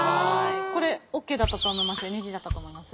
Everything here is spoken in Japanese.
これＯＫだったと思います？